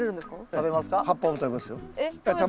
食べれます。